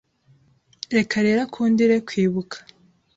Reka rero akundire kwibuka